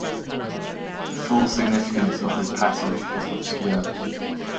The full significance of this passage is obscure.